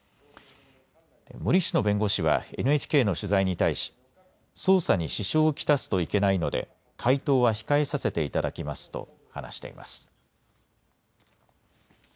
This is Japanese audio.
森氏の弁護士はＮＨＫの取材に対し捜査に支障を来すといけないので回答は控えさせていただきますと話しています。